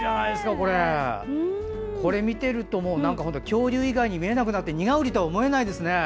これを見ていると恐竜以外に見えなくて苦うりとは思えないですね。